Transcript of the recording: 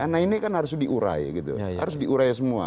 nah ini kan harus diurai gitu harus diurai semua